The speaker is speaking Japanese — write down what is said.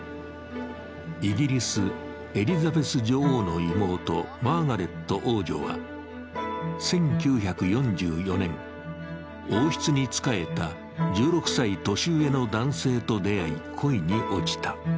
イギリス、エリザベス女王の妹マーガレット王女は１９４４年、王室に仕えた１６歳年上の男性と出会い、恋に落ちた。